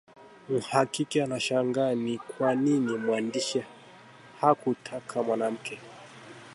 Mhakiki anashangaa ni kwa nini mwandishi hakutaka mwanamke